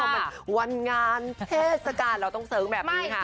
มาวันงานเทศกาลต้องฟูมิแบบนี้ค่ะ